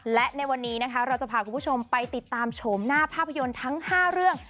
และในวันนี้นะคะเราจะพาคุณผู้ชมไปติดตามโฉมหน้าภาพยนตร์ทั้ง๕เรื่อง